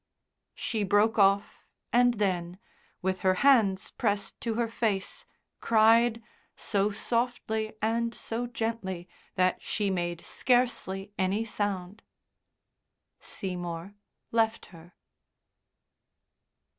She broke off and then, with her hands pressed to her face, cried, so softly and so gently that she made scarcely any sound. Seymour left her.